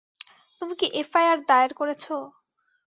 তুমি কি এফআইআর দায়ের করেছ?